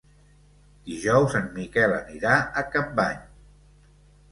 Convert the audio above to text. Dijous en Miquel anirà a Capmany.